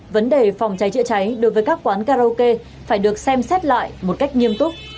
vấn đề phòng cháy trịa cháy đối với các quán cao kê phải được xem xét lại một cách nghiêm túc